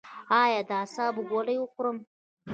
ایا زه د اعصابو ګولۍ وخورم؟